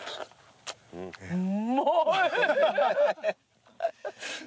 うまい！